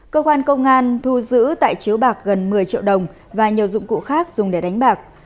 cơ quan công an thu giữ tại chiếu bạc gần một mươi triệu đồng và nhiều dụng cụ khác dùng để đánh bạc